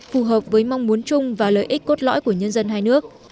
phù hợp với mong muốn chung và lợi ích cốt lõi của nhân dân hai nước